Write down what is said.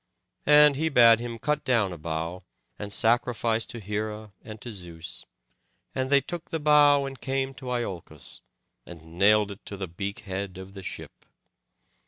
And he bade him cut down a bough, and sacrifice to Hera and to Zeus; and they took the bough and came to Iolcos, and nailed it to the beak head of the ship.